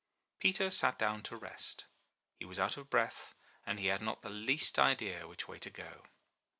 Peter sat down to rest; he was out of breath, and he had not the least idea which way to go.